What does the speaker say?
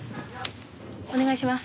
お願いします。